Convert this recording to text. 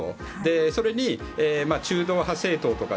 それに中道派政党とか。